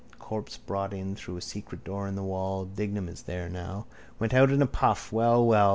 Corpse brought in through a secret door in the wall. Dignam is there now. Went out in a puff. Well, well.